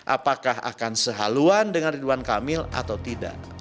apakah akan sehaluan dengan ridwan kamil atau tidak